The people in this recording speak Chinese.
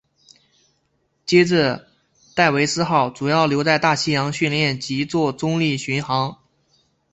接着戴维斯号主要留在大西洋训练及作中立巡航。